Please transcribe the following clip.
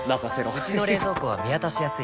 うちの冷蔵庫は見渡しやすい